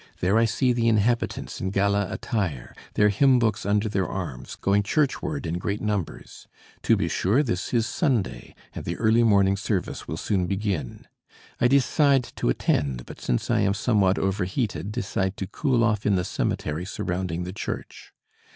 There I see the inhabitants in gala attire, their hymn books under their arms, going church ward in great numbers. To be sure, this is Sunday, and the early morning service will soon begin. I decide to attend, but since I am somewhat overheated, decide to cool off in the cemetery surrounding the church.